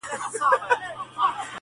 ساقي در مبارک دي میکدې وي ټولي تاته,